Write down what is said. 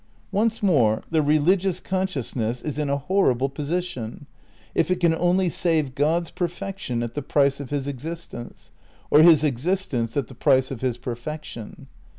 Once more, the religious consciousness is in a hor rible position if it can only save God's perfection ai the price of his existence, or his existence at the price of his perfection.